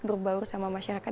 berbaur sama masyarakat